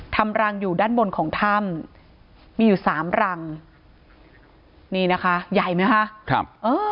ทำรังอยู่ด้านบนของถ้ำมีอยู่สามรังนี่นะคะใหญ่ไหมคะครับเออ